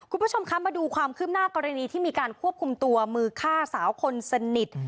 คุณผู้ชมคะมาดูความคืบหน้ากรณีที่มีการควบคุมตัวมือฆ่าสาวคนสนิท